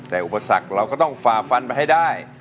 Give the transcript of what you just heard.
แต่อุปศักดิ์เราต้องฝ่าฟันให้ได้